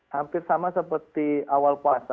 hampir sama seperti awal puasa